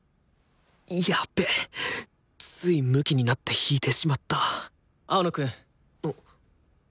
やっべついムキになって弾いてしまった青野くん。